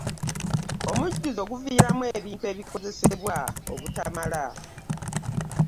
Omujjuzo guviiramu ebintu ebikozesebwa obutamala.